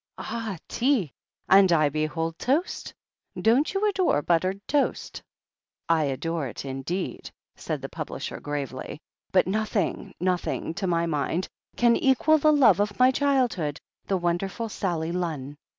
Ah, tea ! and I behold toast I Don't you adore buttered toast?" "I adore it indeed," said the publisher gravely ; "but nothing — ^nothing, to my mind, can equal the love of my childhood — ^the wonderful Sally Lunn.